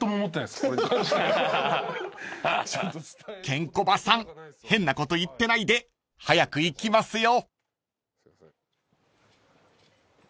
［ケンコバさん変なこと言ってないで早く行きますよ］